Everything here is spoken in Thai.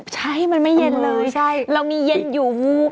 ใช่มันไม่เย็นเลยใช่เรามีเย็นอยู่งู